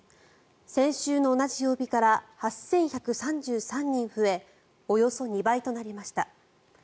先週の同じ曜日から８１３３人増えおよそ２倍となりました。